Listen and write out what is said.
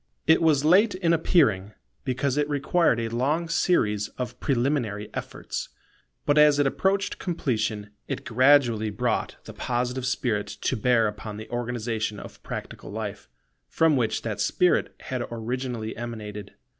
It was late in appearing, because it required a long series of preliminary efforts: but as it approached completion, it gradually brought the Positive spirit to bear upon the organization of practical life, from which that spirit had originally emanated.